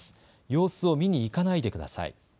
様子を見に行かないでください。